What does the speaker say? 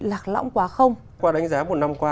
lạc lõng quá không qua đánh giá một năm qua